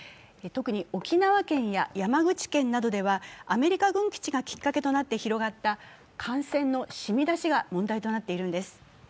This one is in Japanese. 特に沖縄県や山口県などではアメリカ軍基地がきっかけとなって広がった感染のしみ出しが問題となっているのです。